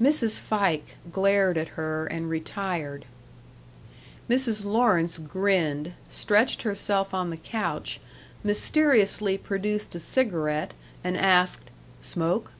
Mrs. Fike glared at her and retired. Mrs. Lawrence grinned, stretched herself on the couch, mysteriously produced a cigarette, and asked, "Smoke?"